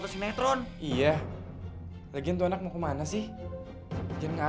cepet takutnya sena di luar